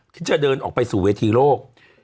ที่จะเดินออกไปสู่เวทีโลก